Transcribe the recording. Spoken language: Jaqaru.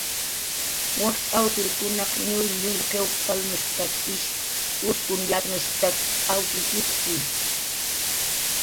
"Wakch awtirkunaq nullnull qiw palnushp""tak ish uskun yaknushp""tak awtir ik""ki. "